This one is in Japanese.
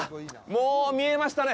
もう見えましたね！